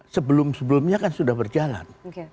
sebelum sebelumnya kan sudah berjalan